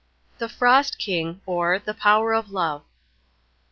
THE FROST KING: OR, THE POWER OF LOVE.